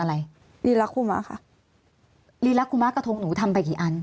อะไรรีรักคุมะค่ะลีลาคุมะกระทงหนูทำไปกี่อัน